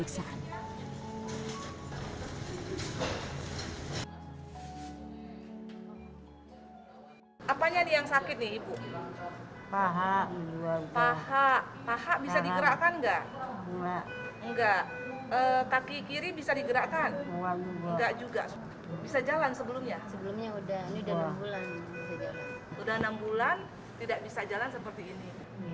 udah enam bulan tidak bisa jalan seperti ini